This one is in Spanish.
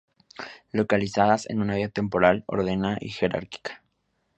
Localizadas en una vía temporal ordenada y jerárquica.